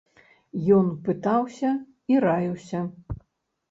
Ён пытаўся і раіўся.